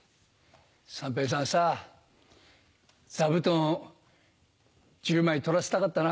三平さんさぁ座布団１０枚取らせたかったな。